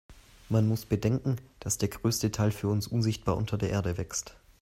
Man muss bedenken, dass der größte Teil für uns unsichtbar unter der Erde wächst.